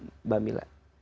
dalam hidup mbak mila